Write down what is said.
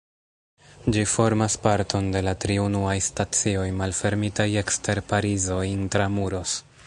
Ĝi formas parton de la tri unuaj stacioj malfermitaj ekster Parizo "intra-muros".